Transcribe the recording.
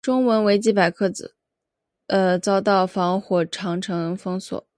中文维基百科遭到防火长城封锁。